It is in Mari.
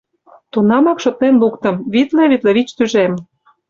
Тунамак шотлен луктым: витле-витле вич тӱжем!